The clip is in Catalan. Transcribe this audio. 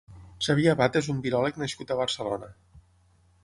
Xavier Abad és un viròleg nascut a Barcelona.